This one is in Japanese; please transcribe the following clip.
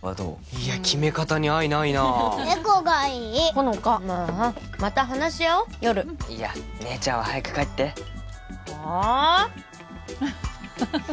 いや決め方に愛ないな笑子がいいほのかまあまた話し合おう夜いや姉ちゃんは早く帰ってはあ？